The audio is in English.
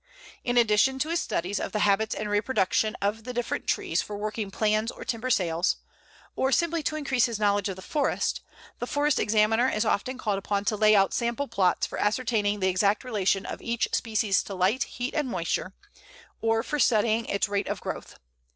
In addition to his studies of the habits and reproduction of the different trees for working plans or timber sales, or simply to increase his knowledge of the forest, the Forest Examiner is often called upon to lay out sample plots for ascertaining the exact relation of each species to light, heat, and moisture, or for studying its rate of growth.